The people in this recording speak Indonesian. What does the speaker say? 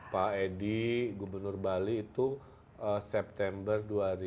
pak edi gubernur bali itu september dua ribu dua puluh